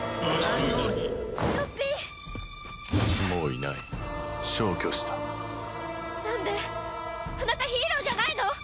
あなたヒーローじゃないの？